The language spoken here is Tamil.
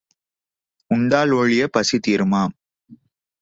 உண்டால் ஒழியப் பசி தீருமா?